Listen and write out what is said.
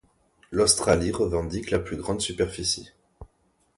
L'Australie revendique la plus grande superficie.